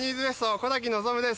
小瀧望です